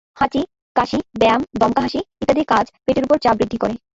হাঁচি, কাশি, ব্যায়াম, দমকা হাসি ইত্যাদি কাজ পেটের ওপর চাপ বৃদ্ধি করে।